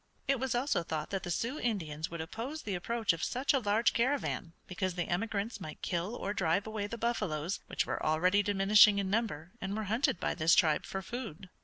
It was also thought that the Sioux Indians would oppose the approach of such a large caravan because the emigrants might kill or drive away the buffaloes, which were already diminishing in number and were hunted by this tribe for food.